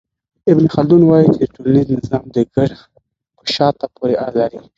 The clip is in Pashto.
ابن خلدون وايي چي ټولنيز نظام د کډه په شاته پوري اړه لري.